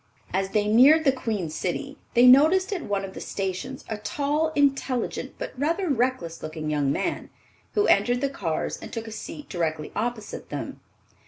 As they neared the Queen City, they noticed at one of the stations a tall, intelligent, but rather reckless looking young man, who entered the cars and took a seat directly opposite them.